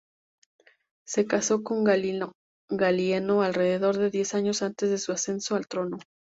Se casó con Galieno alrededor de diez años antes de su ascenso al trono.